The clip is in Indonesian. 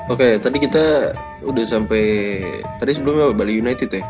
oke tadi kita udah sampai tadi sebelumnya bali united ya